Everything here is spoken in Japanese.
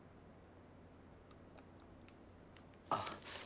あっ。